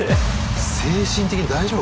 精神的に大丈夫？